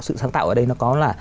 sự sáng tạo ở đây nó có là